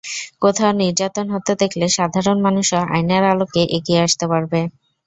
কোথাও নির্যাতন হতে দেখলে সাধারণ মানুষও আইনের আলোকে এগিয়ে আসতে পারবে।